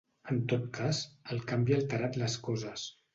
En tot cas, el canvi ha alterat les coses.